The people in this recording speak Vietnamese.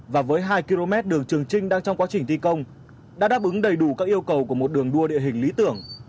và với hai km đường trường trinh đang trong quá trình thi công đã đáp ứng đầy đủ các yêu cầu của một đường đua địa hình lý tưởng